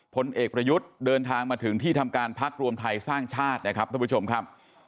ผลเอกประยุดเดินทางมาถึงที่ทำการพักรวมไทยสร้างชาตินะครับ